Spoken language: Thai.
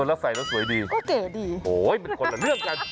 แล้วใส่แล้วสวยดีก็เก๋ดีโอ้ยมันคนละเรื่องกัน